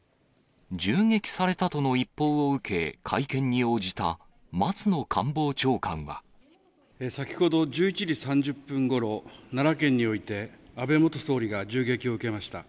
銃撃されたとの一報を受け、先ほど１１時３０分ごろ、奈良県において、安倍元総理が銃撃を受けました。